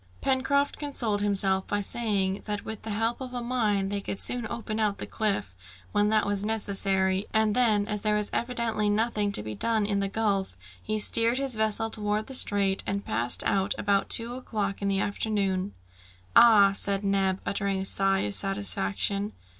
Pencroft consoled himself by saying that with the help of a mine they could soon open out the cliff when that was necessary, and then, as there was evidently nothing to be done in the gulf, he steered his vessel towards the strait and passed out at about two o'clock in the afternoon. "Ah!" said Neb, uttering a sigh of satisfaction.